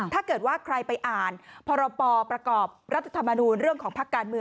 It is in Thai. ถ้าเกิดว่าใครไปอ่านปปประกอบรัฐธรรมนูญ